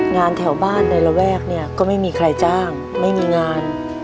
งานแถวบ้านในระแวกเนี่ยก็ไม่มีใครจ้างไม่มีงาน